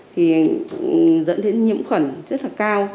thì dẫn đến nhiễm khuẩn rất là cao